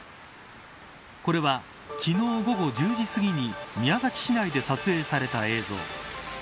これは、昨日午後１０時すぎに宮崎市内で撮影された映像。